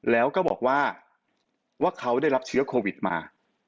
แล้วก็บอกว่าเขาได้รับเชื้อโควิดมา